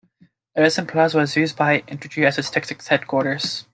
Edison Plaza was used by Entergy as its Texas headquarters.